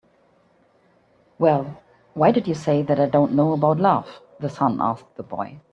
"Well, why did you say that I don't know about love?" the sun asked the boy.